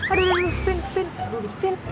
aduh aduh finn finn